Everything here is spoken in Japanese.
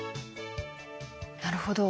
なるほど。